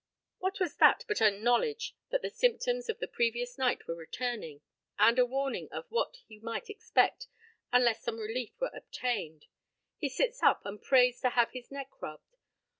What was that but a knowledge that the symptoms of the previous night were returning, and a warning of what he might expect unless some relief were obtained? He sits up and prays to have his neck rubbed.